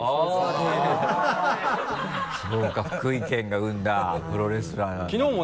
そうか福井県が生んだプロレスラーなんだ。